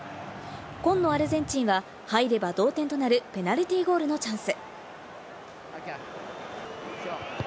紺のアルゼンチンは入れば同点となるペナルティーゴールのチャンス。